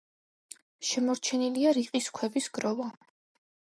შემორჩენილია რიყის ქვების გროვა.